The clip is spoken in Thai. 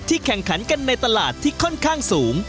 แข่งขันกันในตลาดที่ค่อนข้างสูง